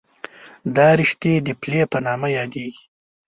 دا رشتې د پلې په نامه یادېږي.